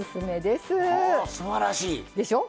すばらしい！でしょ？